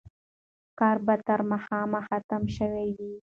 کار به تر ماښامه ختم شوی وي.